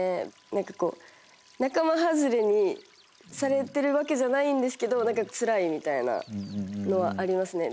なんかこう仲間外れにされてるわけじゃないんですけどなんかつらいみたいなのはありますね。